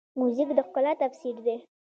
موزیک د ښکلا تفسیر دی.